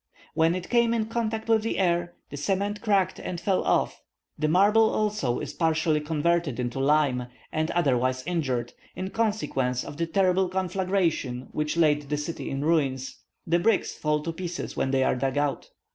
When it came in contact with the air, the cement cracked and fell off. The marble also is partially converted into lime, or otherwise injured, in consequence of the terrible conflagration which laid the city in ruins. The bricks fall to pieces when they are dug out.